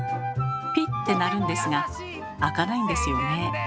ピッて鳴るんですが開かないんですよねえ。